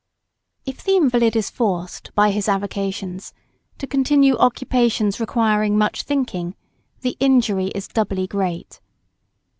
] If the invalid is forced, by his avocations, to continue occupations requiring much thinking, the injury is doubly great.